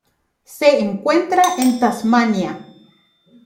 Se encuentra en Tasmania.